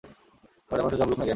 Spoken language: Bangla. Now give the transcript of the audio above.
মানুষের চরম লক্ষ্য সুখ নয়, জ্ঞান।